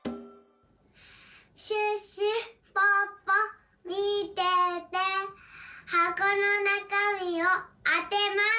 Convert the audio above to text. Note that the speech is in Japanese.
シュッシュポッポみてて！はこのなかみをあてます！